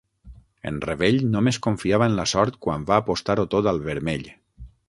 En Revell només confiava en la sort quan va apostar-ho tot al vermell.